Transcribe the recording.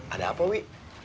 ada apa wih